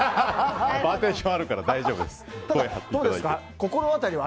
パーティションあるから大丈夫です。